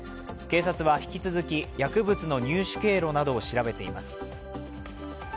警察は、引き続き薬物の入手経路などを調べています。